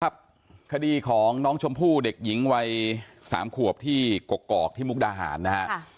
ครับคดีของน้องชมพู่เด็กหญิงวัย๓ขวบที่กกอกที่มุกดาหารนะฮะ